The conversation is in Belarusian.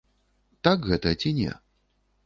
Так гэта ці не?